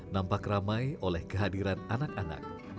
nampak ramai oleh kehadiran anak anak